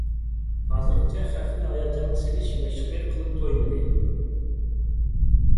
ھازىرغىچە خەقنى ھاياجانغا سېلىش مەشقى قىلىپ تويمىدى.